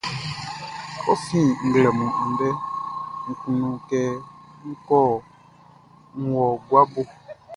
Kɛ fin nglɛmun andɛ, nʼkunnu kɛ nʼwɔ gua bo.